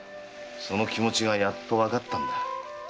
その気持ちがやっとわかったんだ。